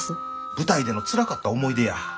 舞台でのつらかった思い出や。